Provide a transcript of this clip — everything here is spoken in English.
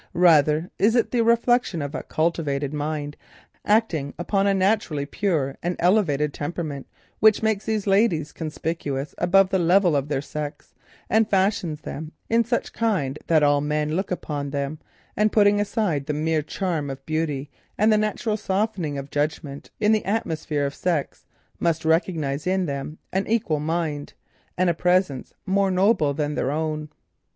Rather perhaps it is the reflection of a cultivated intellect acting upon a naturally pure and elevated temperament, which makes these ladies conspicuous and fashions them in such kind that all men, putting aside the mere charm of beauty and the natural softening of judgment in the atmosphere of sex, must recognise in them an equal mind, and a presence more noble than their own.